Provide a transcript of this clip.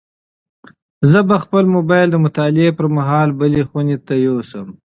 زه به خپل موبایل د مطالعې پر مهال بلې خونې ته یوسم.